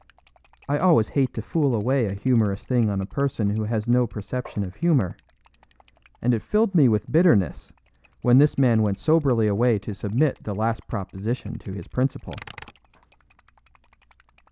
I always hate to fool away a humorous thing on a person who has no perception of humor; and it filled me with bitterness when this man went soberly away to submit the last proposition to his principal.